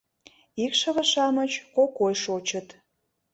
Икшыве-шамыч кокой шочыт...